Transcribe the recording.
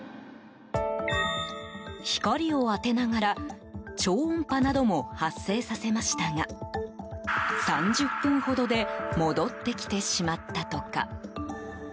光を当てながら超音波なども発生させましたが３０分ほどで戻ってきてしまったとか。